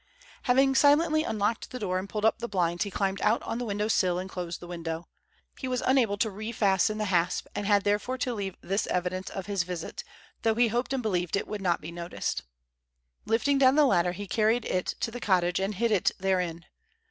Having silently unlocked the door and pulled up the blinds, he climbed out on the window sill and closed the window. He was unable to refasten the hasp, and had therefore to leave this evidence of his visit, though he hoped and believed it would not be noticed. Lifting down the ladder, he carried it to the cottage and hid it therein.